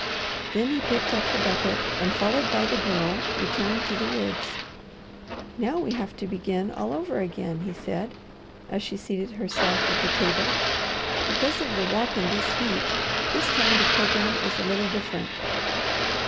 Then he picked up the bucket, and followed by the Girl, returned to the woods. "Now we have to begin all over again," he said, as she seated herself at the table. "Because of the walk in the heat, this time the programme is a little different."